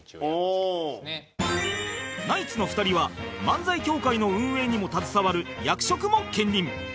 ナイツの２人は漫才協会の運営にも携わる役職も兼任